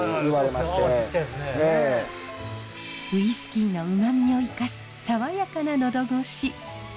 ウイスキーのうまみを生かす爽やかな喉越し。